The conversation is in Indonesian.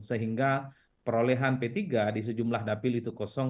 sehingga perolehan p tiga di sejumlah dapil itu kosong